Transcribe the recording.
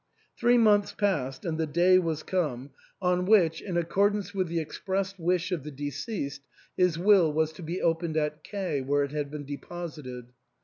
Three months passed and the day was come on which, THE ENTAIL. 297 in accordance with the expressed wish of the deceased, his will was to be opened at K , where it had been deposited.